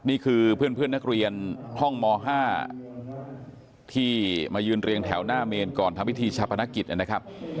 นี่คือเพื่อนนักเรียนห้องม๕ที่มายืนเรียงแถวหน้าเมนก่อนทำพิธีชาปนกิจนะครับ